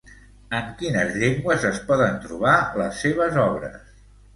En quines llengües es poden trobar les seves obres?